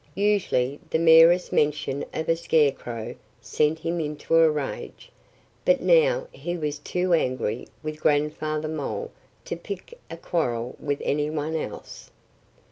Usually the merest mention of a scarecrow sent him into a rage. But now he was too angry with Grandfather Mole to pick a quarrel with any one else.